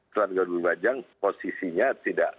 tuan guru bajang posisinya tidak